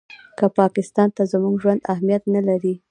که پاکستان ته زموږ ژوند اهمیت نه لري.